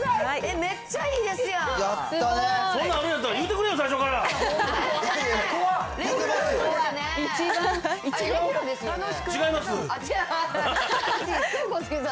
めっちゃいいですやん！